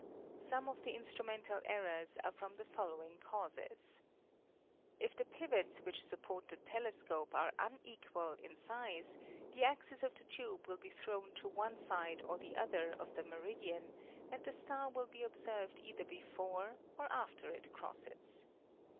Some of the instrumental errors are from the following causes. If the pivots which support the telescope are unequal in size the axis of the tube will be thrown to one side or the other of the meridian, and the star will be observed either before or after it crosses.